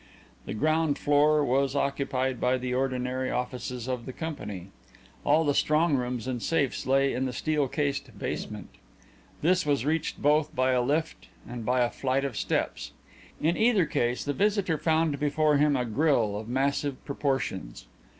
The ground floor was occupied by the ordinary offices of the company; all the strong rooms and safes lay in the steel cased basement. This was reached both by a lift and by a flight of steps. In either case the visitor found before him a grille of massive proportions.